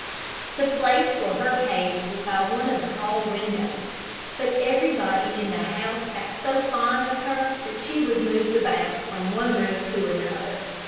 The place for her cage was by one of the hall windows; but everybody in the house got so fond of her that she was moved about from one room to another.